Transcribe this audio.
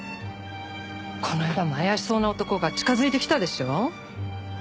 この間も怪しそうな男が近づいてきたでしょ？